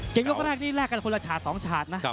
เกมยกแรกนี่แรกกันคนละชาติ๒ชาตินะ